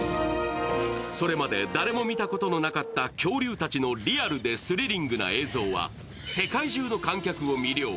それまで誰も見たことのなかった恐竜たちのリアルでスリリングな映像は世界中の観客たちを魅了。